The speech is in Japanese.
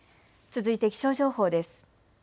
続いて気象情報です。